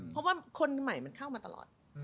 เพราะว่าคนใหม่มันเข้ามาตลอด